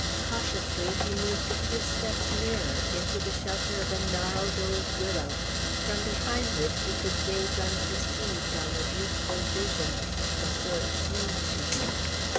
Cautiously he moved a few steps nearer, into the shelter of a gnarled old willow, from behind which he could gaze unperceived on the beautiful vision, for so it seemed to him.